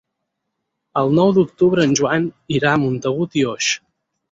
El nou d'octubre en Joan irà a Montagut i Oix.